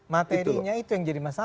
materinya itu yang jadi masalah